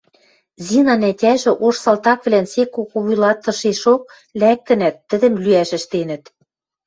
Зинан ӓтяжӹ ош салтаквлӓн сек кого вуйлатышешок лӓктӹнӓт, тӹдӹм луӓш ӹштенӹт...